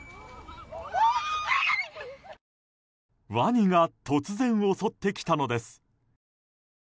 ワニが突然、襲ってきたのです。